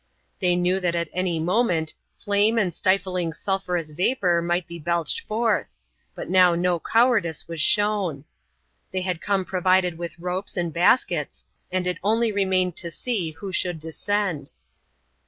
They knew that at any moment flame and stifling sulphurous vapor might be belched forth, but now no cowardice was shown. They had come provided with ropes and baskets, and it only remained to see who should descend.